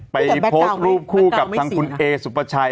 ไปโพสต์รูปคู่กับทางคุณเอสุปชัย